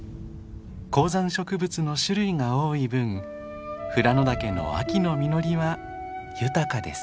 高山植物の種類が多い分富良野岳の秋の実りは豊かです。